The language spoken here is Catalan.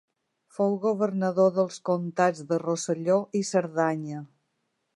Fou governador dels comtats de Rosselló i Cerdanya.